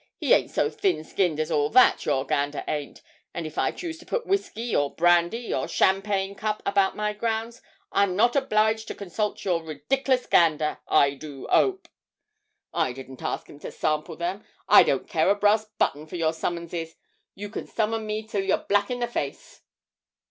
He ain't so thin skinned as all that, your gander ain't. And if I choose to put whisky, or brandy, or champagne cup about my grounds, I'm not obliged to consult your ridik'lous gander, I do hope. I didn't ask him to sample 'em. I don't care a brass button for your summonses. You can summon me till you're black in the face!'